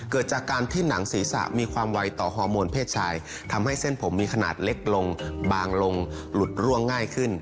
เกิดจากการที่หนังศีรษะมีความไวต่อฮอร์โมนเพศชายทำให้เส้นผมมีขนาดเล็กลงบางลงหลุดร่วงง่ายขึ้น